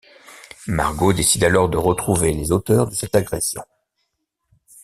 Margot décide alors de retrouver les auteurs de cette agression...